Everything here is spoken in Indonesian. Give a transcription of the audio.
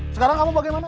sekarang kamu bagaimana